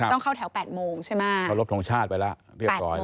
ต้องเข้าแถว๘โมงใช่มั้ย